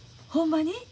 ほんまに？